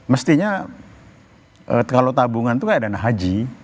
mestinya kalau tabungan itu kayak dana haji